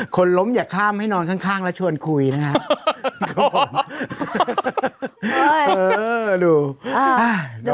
คนล้มอย่าข้ามให้นอนข้างแล้วชวนคุยนะครับผม